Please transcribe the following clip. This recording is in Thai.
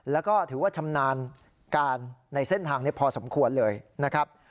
แล้วก็ถือว่าชำนาญการในเส้นทางนี้พอสมควรเลยนะครับ